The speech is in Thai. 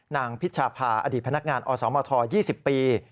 พิชภาอดีตพนักงานอสมท๒๐ปี